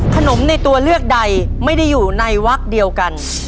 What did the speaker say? ในตัวเลือกใดไม่ได้อยู่ในวักเดียวกัน